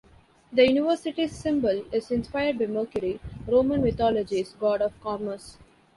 The university's symbol is inspired by Mercury, Roman mythology's god of commerce.